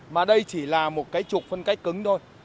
mà đây chỉ là một cái trục phân cách cứng thôi